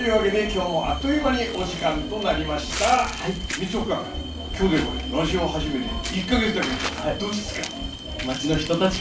三生君今日でほれラジオ始めて１か月だげんどどうですか？